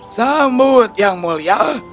sambut yang mulia